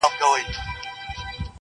• چي د هیڅ هدف لپاره مي لیکلی نه دی -